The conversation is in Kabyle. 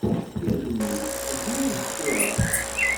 Iɣmi, tezzi-yas ṭṭiṛa.